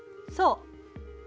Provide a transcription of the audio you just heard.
そう。